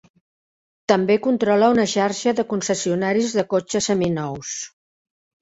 També controla una xarxa de concessionaris de cotxes seminous.